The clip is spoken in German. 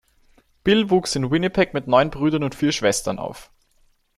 Bill wuchs in Winnipeg mit neun Brüdern und vier Schwestern auf.